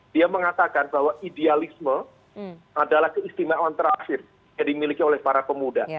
dia mengatakan bahwa idealisme adalah keistimewaan terakhir yang dimiliki oleh para pemuda